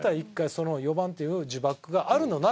その４番っていう呪縛があるのならですよ